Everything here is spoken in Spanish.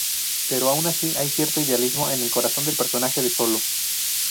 Pero aun así, hay cierto idealismo en el corazón del personaje de Solo.